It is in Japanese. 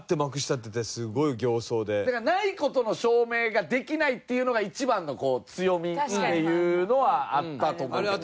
だからない事の証明ができないっていうのが一番の強みっていうのはあったと思うけどな。